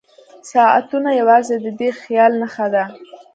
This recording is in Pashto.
ساعتونه یوازې د دې خیال نښه ده.